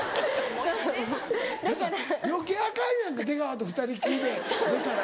余計アカンやんか出川と２人っきりで出たら。